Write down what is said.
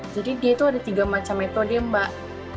jadi dia itu ada tiga macam metode mbak